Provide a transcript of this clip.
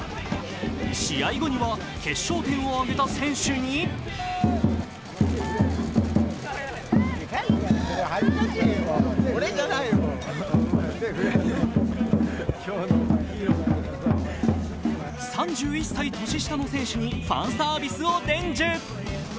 試合後には決勝点をあげた選手に３１歳年下の選手にファンサービスを伝授。